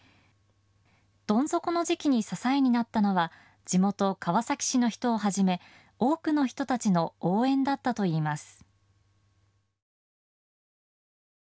どん底の時期に支えになったのは地元川崎市の人をはじめ多くの人たちの応援だったといいます。